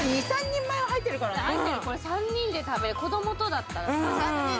これ３人で食べ子供とだったらさ。